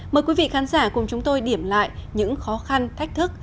mời quý vị khán giả cùng chúng tôi điểm lại những khó khăn thách thức